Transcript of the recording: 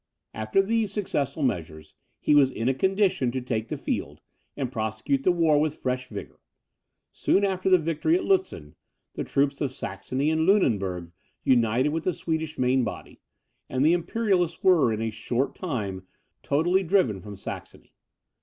After these successful measures, he was in a condition to take the field, and prosecute the war with fresh vigour. Soon after the victory at Lutzen, the troops of Saxony and Lunenburg united with the Swedish main body; and the Imperialists were, in a short time, totally driven from Saxony.